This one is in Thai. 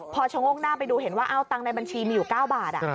พอชะโงกหน้าไปดูเห็นว่าตังค์ในบัญชีมีอยู่๙บาท